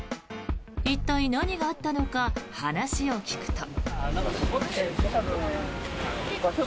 一体、何があったのか話を聞くと。